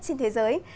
trên thế giới